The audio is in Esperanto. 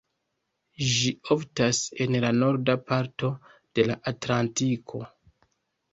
Ĝi oftas en la norda parto de la atlantiko.